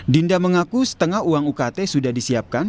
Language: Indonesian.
dinda mengaku setengah uang ukt sudah disiapkan